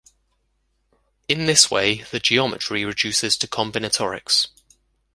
In this way the geometry reduces to combinatorics.